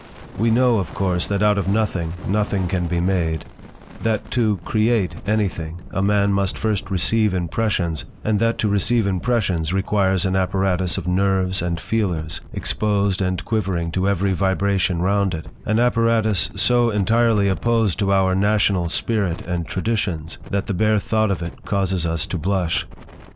We know, of course, that out of nothing nothing can be made, that to "create" anything a man must first receive impressions, and that to receive impressions requires an apparatus of nerves and feelers, exposed and quivering to every vibration round it, an apparatus so entirely opposed to our national spirit and traditions that the bare thought of it causes us to blush.